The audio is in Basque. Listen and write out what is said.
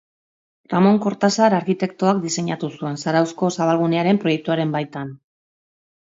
Ramon Kortazar arkitektoak diseinatu zuen, Zarauzko zabalgunearen proiektuaren baitan.